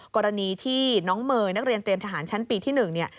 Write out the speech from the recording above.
กรณีที่น้องเมย์นักเรียนเตรียมทหารชั้นปีที่๑เนี่ย